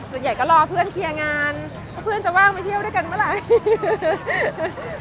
ส่วนใหญ่ก็รอเพื่อนเคลียร์งานว่าเพื่อนจะว่างมาเที่ยวด้วยกันเมื่อไหร่